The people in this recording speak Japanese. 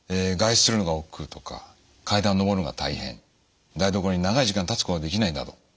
外出するのがおっくうとか階段を上るのが大変台所に長い時間立つことができないなど。